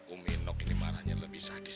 umi nuhon ini malahnya lebih sadis